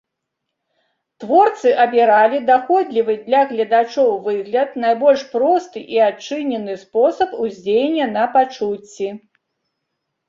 Творцы абіралі даходлівы для гледачоў выгляд, найбольш просты і адчынены спосаб уздзеяння на пачуцці.